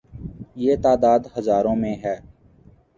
یہ تعداد ہزاروں میں ہے۔